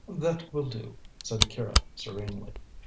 "That will do," said Akira serenely.